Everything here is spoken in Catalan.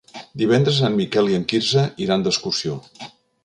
Divendres en Miquel i en Quirze iran d'excursió.